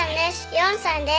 ４歳です。